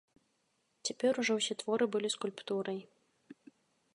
Цяпер ужо ўсе творы былі скульптурай.